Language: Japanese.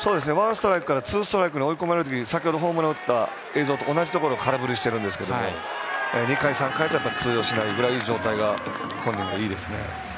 ワンストライクからツーストライクに追い込まれる時先ほどホームランを打った映像と同じところで空振りしているんですけど２回、３回とは通用しないぐらい本人も状態がいいですよね。